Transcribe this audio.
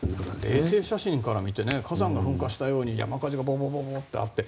衛星写真から見て火山が噴火したように山火事がいっぱいあって。